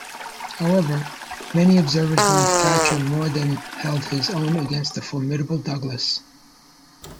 However, many observers believed Thatcher more than held his own against the formidable Douglas.